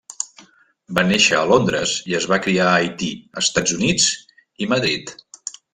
Va néixer a Londres i es va criar a Haití, Estats Units i Madrid.